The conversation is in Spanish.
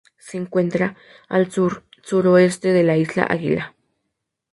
Se encuentra al sur-suroeste de la isla Águila.